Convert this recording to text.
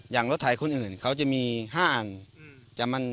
อย่างรถถ่ายคนอื่นเขาจะมีห้าอัน